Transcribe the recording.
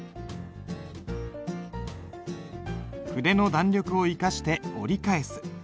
筆の弾力を生かして折り返す。